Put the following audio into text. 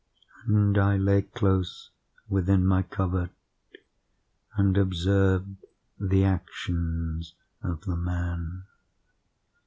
And I lay close within my covert and observed the actions of the man.